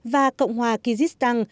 và cộng hòa kyrgyzstan